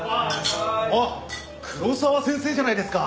あっ黒沢先生じゃないですか。